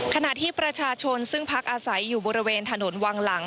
ขณะที่ประชาชนซึ่งพักอาศัยอยู่บริเวณถนนวังหลัง